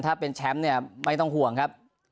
ถ้าเป็นแชมป์เนี่ยไม่ต้องห่วงครับ